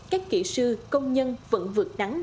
các kỹ sư công nhân vẫn vượt nắng